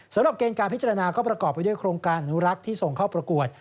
สำหรับเกณฑ์การพิจารณาก็ประกอบไปด้วยโครงการอนุรักษ์ที่ส่งเข้าประกวด